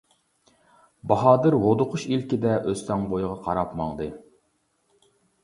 باھادىر ھودۇقۇش ئىلكىدە ئۆستەڭ بويىغا قاراپ ماڭدى.